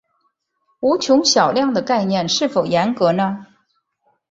无穷小量的概念是否严格呢？